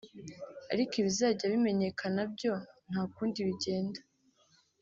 ariko ibizajya bimenyekana byo nta kundi bigenda